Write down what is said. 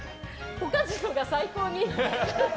ポカジノが最高に。